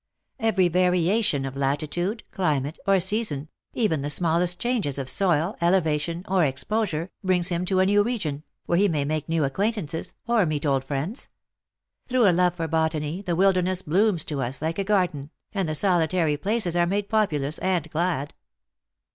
Every variation of latitude, climate, or sea son, even the smallest changes of soil, elevation, or exposure, brings him to a new region, where he may make new acquaintances, or meet old friends. Through a love for botany the wilderness blooms to us like a garden, and the solitary places are made populous and glad."